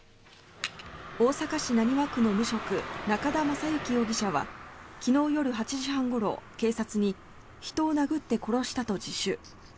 大阪市浪速区の無職・中田正順容疑者は昨日夜８時半ごろ警察に人を殴って殺したと自首。